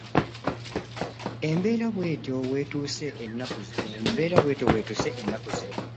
Embeera bwetyo wetuuse ennaku zino.